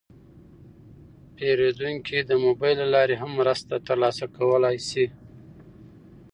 پیرودونکي د موبایل له لارې هم مرسته ترلاسه کولی شي.